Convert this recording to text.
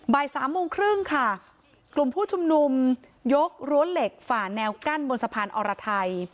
บ่ายสามโมงครึ่งค่ะกลุ่มผู้ชุมนุมยกรั้วเหล็กฝ่าแนวกั้นบนสะพานอรไทย